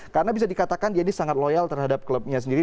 karena bisa dikatakan dia ini sangat loyal terhadap klubnya sendiri